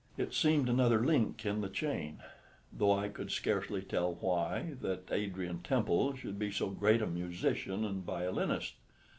It seemed another link in the chain, though I could scarcely tell why, that Adrian Temple should be so great a musician and violinist.